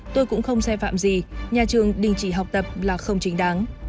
tôi cũng không sai phạm gì nhà trường đình chỉ học tập là không chính đáng